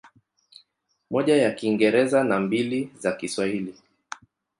Moja ya Kiingereza na mbili za Kiswahili.